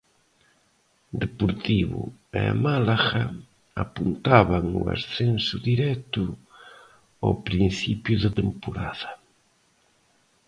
Deportivo e Málaga apuntaban o ascenso directo ao principio de temporada.